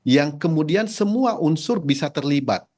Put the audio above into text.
yang kemudian semua unsur bisa terlibat